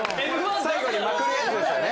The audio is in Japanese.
最後にまくるやつですよね